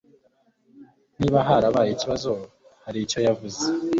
Niba harabaye ikibazo, hari icyo yavuze.